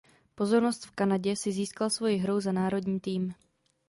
Pozornost v Kanadě si získal svoji hrou za národní tým.